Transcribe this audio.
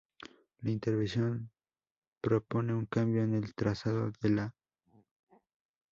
La intervención propone un cambio en el trazado de la Av.